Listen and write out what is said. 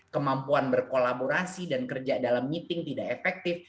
kemampuan berkolaborasi dan kerja dalam meeting tidak efektif